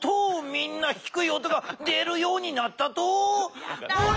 みんなひくい音が出るようになった「とう」。